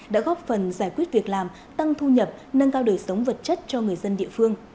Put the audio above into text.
đã góp phần giải quyết việc làm tăng thu nhập nâng cao đời sống vật chất cho người dân địa phương